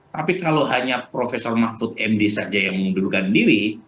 tapi kalau hanya prof mahfud md saja yang mengundurkan diri